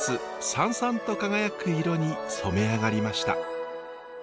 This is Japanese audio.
サンサンと輝く色に染め上がりました。